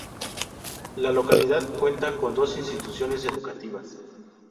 La localidad cuenta con dos instituciones educativas.